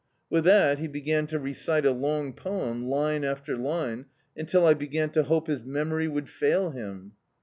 With that he began to recite a long poem, line after line, until I b^an to hope his memory would fail him.